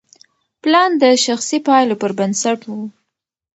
پلان د شخصي پایلو پر بنسټ و.